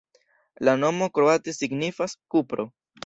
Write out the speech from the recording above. La nomo kroate signifas: kupro.